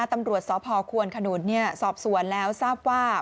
ตำรวจสพควนขนุนสอบสวนแล้วทราบว่า